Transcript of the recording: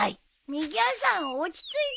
みぎわさん落ち着いて。